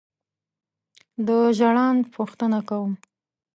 دا ژړاند پوښتنه کوم.